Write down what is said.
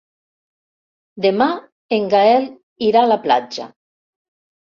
Demà en Gaël irà a la platja.